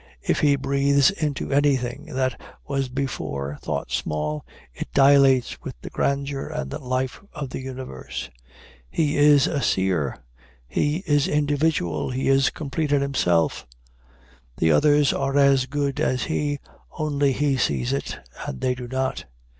If he breathes into anything that was before thought small, it dilates with the grandeur and life of the universe. He is a seer he is individual he is complete in himself the others are as good as he, only he sees it, and they do not.